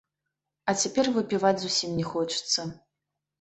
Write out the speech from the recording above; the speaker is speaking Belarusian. А цяпер выпіваць зусім не хочацца.